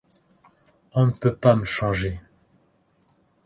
On ne peut pas me changer.